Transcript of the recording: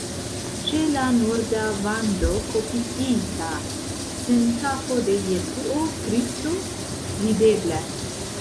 Ĉe la norda vando kopiita centafo de Jesuo Kristo videblas.